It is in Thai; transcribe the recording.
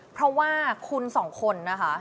เพราะว่าคุณสองคนนะคะ